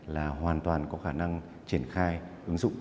là hoàn toàn có khả năng triển khai ứng dụng